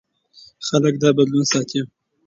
خلک دا بدلون ستایي.